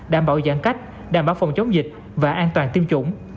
đảm bảo giãn cách đảm bảo phòng chống dịch và an toàn tiêm chủng